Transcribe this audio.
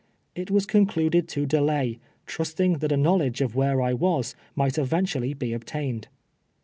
It was concluded to delay, trusting that a knowledge of where I was might eventually be obtained.